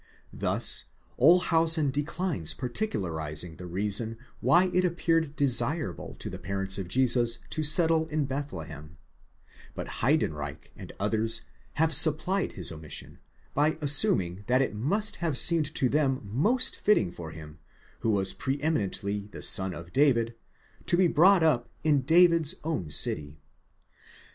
Thus Olshausen declines particularizing the reason why it ap peared desirable to the parents of Jesus to settle in Bethlehem; but Heydenreich © and others have supplied his omission, by assuming that it must have seemed to them most fitting for him, who was pre eminently the Son of David, to be brought up in David's own city.